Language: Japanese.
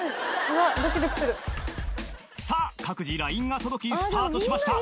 ＬＩＮＥが届きスタートしました